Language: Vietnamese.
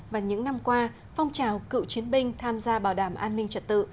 và những năm qua phong trào cựu chiến binh tham gia bảo đảm an ninh trật tự